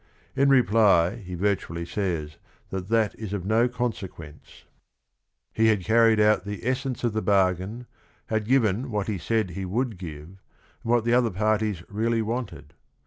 In reply he vi rtually says that that fe of no consequencj u He had carried out the essence of the bargain, had given what he said he would give and what the other parties really wanted.